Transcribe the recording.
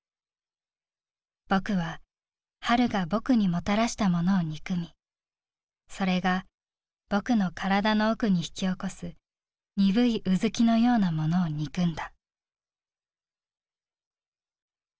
僕は春が僕にもたらしたものを憎み、それが僕の体の奥にひきおこす鈍い疼きのようなものを憎んだ」。